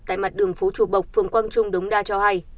tại mặt đường phố chùa bộc phường quang trung đống đa cho hay